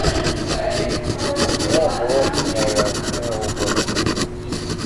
Wu go mu riak fii go wone.